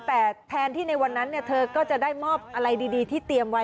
แต่แทนที่ในวันนั้นเธอก็จะได้มอบอะไรดีที่เตรียมไว้